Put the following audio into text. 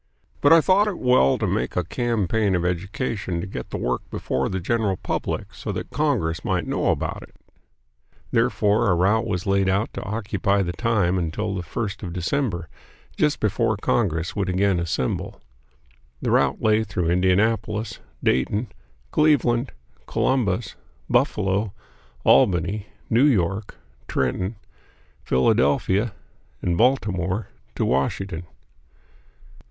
But I thought it well to make a campaign of education to get the work before the general public so that Congress might know about it. Therefore a route was laid out to occupy the time until the first of December, just before Congress would again assemble. The route lay through Indianapolis, Dayton, Cleveland, Columbus, Buffalo, Albany, New York, Trenton, Philadelphia, and Baltimore, to Washington.